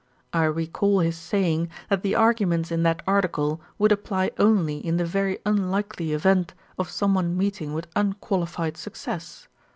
I recall his saying that the arguments in that article would apply only in the very unlikely event of someone meeting with unqualified success.